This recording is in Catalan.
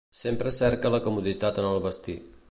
Sempre cerca la comoditat en el vestir.